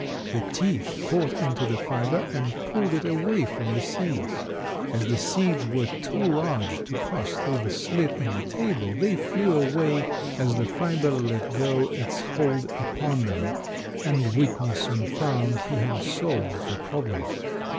The teeth caught into the fiber and pulled it away from the seeds. As the seeds were too large to pass through the slit in the table they flew away as the fiber let go its hold upon them, and Whitney soon found he had solved the problem.